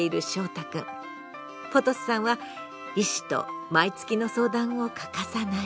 ポトスさんは医師と毎月の相談を欠かさない。